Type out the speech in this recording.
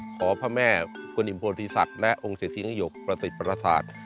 ขอพระแม่กวนอิ่มโพธิสัตว์และองค์เศรษฐิเงี๊ยหยกประสิทธิ์ปราศาสตร์